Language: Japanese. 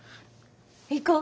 行こう。